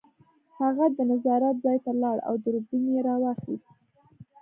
هغه د نظارت ځای ته لاړ او دوربین یې راواخیست